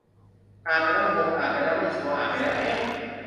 อ่านไปแล้วงง อ่านไปแล้วไม่ชัวร์ อ่านไปแล้ว เอ๊ะ